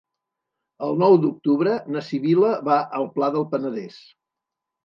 El nou d'octubre na Sibil·la va al Pla del Penedès.